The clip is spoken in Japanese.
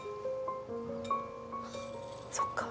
そっか。